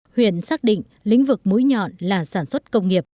huyện xác định lĩnh vực mũi nhọn là sản xuất công nghiệp